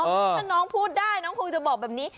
ถ้าน้องพูดได้น้องคงจะบอกแบบนี้